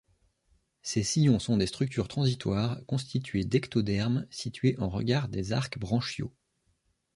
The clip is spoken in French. Ces sillons sont des structures transitoires constituées d'ectoderme situées en regard des arcs branchiaux.